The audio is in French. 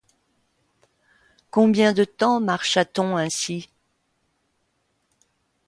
Combien de temps marcha-t-on ainsi ?